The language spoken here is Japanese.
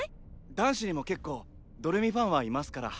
男子にも結構「どれみ」ファンはいますから。